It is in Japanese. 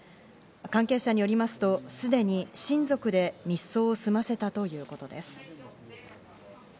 関係者によりますと、すでに親族で密葬を済ませたということです。